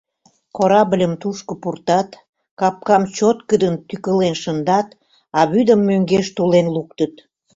Корабльым тушко пуртат, капкам чоткыдын тӱкылен шындат, а вӱдым мӧҥгеш тулен луктыт.